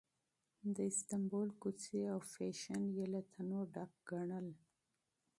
د استانبول کوڅې او فېشن یې له تنوع ډک ګڼل.